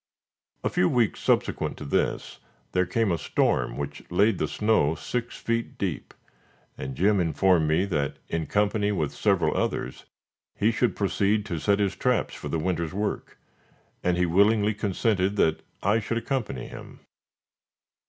A few weeks subsequent to this, there came a storm which laid the snow six feet deep, and Jim informed me that, in company with several others, he should proceed to set his traps for the winter's work, and he willingly consented that I should accompany him.